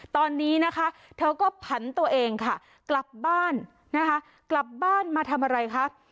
ตอนนี้นะคะเธอก็ผันตัวเองค่ะกลับบ้านนะคะกลับบ้านมาทำอะไรคะ